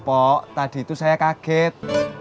pok tadi itu saya kaget